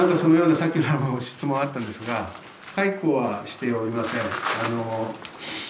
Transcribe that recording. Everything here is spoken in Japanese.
なんかそのような質問があったんですが、解雇はしておりません。